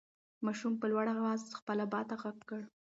ماشوم په لوړ اواز خپل ابا ته غږ کړ.